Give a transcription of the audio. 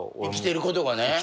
生きてることがね。